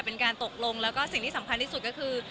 เป็นการตกลงแล้วก็สิ่งที่สำคัญที่สุดก็คือ